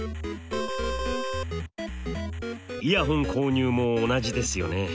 イヤホン購入も同じですよね。